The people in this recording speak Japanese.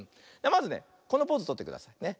まずねこのポーズとってくださいね。